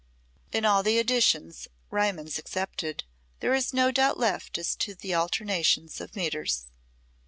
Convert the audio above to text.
In all the editions, Riemann's excepted, there is no doubt left as to the alternations of metres.